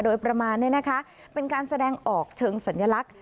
โดยประมาณเป็นการแสดงออกเชิงสัญลักษณ์